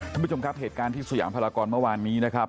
ท่านผู้ชมครับเหตุการณ์ที่สยามพลากรเมื่อวานนี้นะครับ